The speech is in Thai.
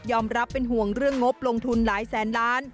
รับเป็นห่วงเรื่องงบลงทุนหลายแสนล้าน